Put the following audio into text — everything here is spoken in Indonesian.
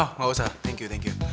oh nggak usah thank you thank you